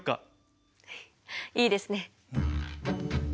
いいですね。